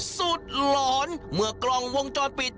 หลอนเมื่อกล้องวงจรปิด